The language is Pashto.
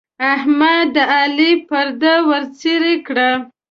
احمد د علي پرده ورڅيرې کړه.